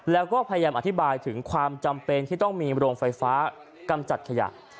แล้วก็พยายามอธิบายถึงความจำเป็นที่ต้องมีโรงไฟฟ้ากำจัดขยะ